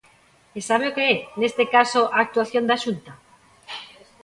¿E sabe o que é, neste caso, a actuación da Xunta?